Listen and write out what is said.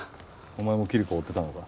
お前もキリコを追ってたのか？